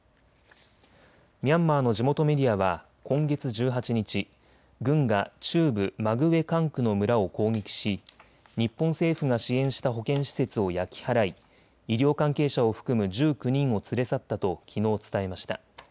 ミャンマーの地元メディアは今月１８日、軍が中部マグウェ管区の村を攻撃し日本政府が支援した保健施設を焼き払い医療関係者を含む１９人を連れ去ったときのう伝えました。